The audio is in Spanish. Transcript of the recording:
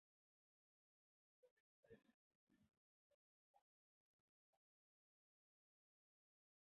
No necesariamente debían ser ex participantes de "Bailando Por Un Sueño".